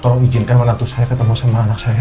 tolong izinkan waktu saya ketemu sama anak saya